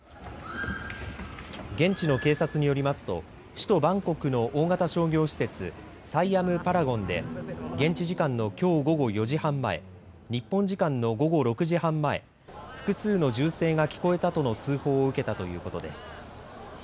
現地の警察によりますと首都バンコクの大型商業施設サイアム・パラゴンで現地時間のきょう午後４時半日本時間の午後６時半前複数の銃声が聞こえたとの通報を受けたということです。